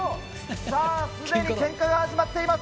さあ、すでにけんかが始まっています。